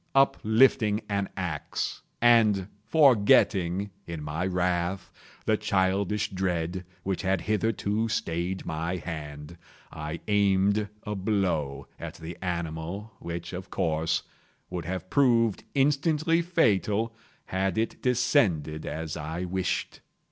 Uplifting an axe, and forgetting, in my wrath, the childish dread which had hitherto stayed my hand, I aimed a blow at the animal which, of course, would have proved instantly fatal had it descended as I wished.